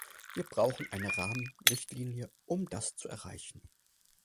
Wir brauchen eine Rahmenrichtlinie, um das zu erreichen.